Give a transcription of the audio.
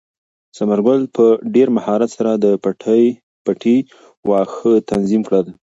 ثمر ګل په ډېر مهارت سره د پټي واښه تنظیم کړل.